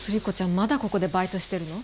まだここでバイトしてるの？